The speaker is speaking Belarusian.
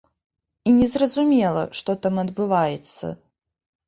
І незразумела, што там адбываецца.